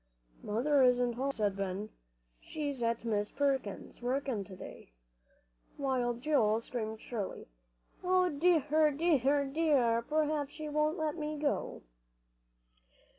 "Mother isn't home," said Ben. "She's at Miss Perkins' working, to day." While Joel screamed shrilly, "Oh, dear dear dear, p'r'aps she won't let me go!"